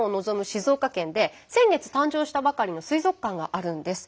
静岡県で先月誕生したばかりの水族館があるんです。